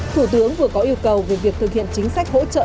thủ tướng vừa có yêu cầu về việc thực hiện chính sách hỗ trợ